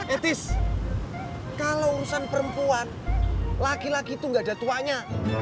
etis kalau urusan perempuan laki laki itu gak ada tuanya